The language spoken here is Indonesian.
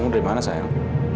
kamu dari mana sayang